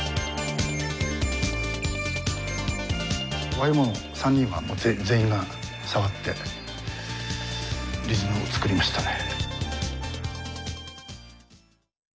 ＹＭＯの３人は全員が触ってリズムを作りましたね。